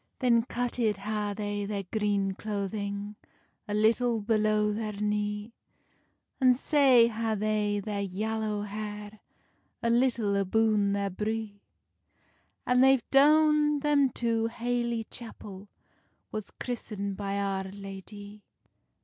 Then cutted ha they their green cloathing, A little below their knee; And sae ha they their yallow hair, A little aboon there bree; And they've doen them to haely chapel Was christened by Our Ladye.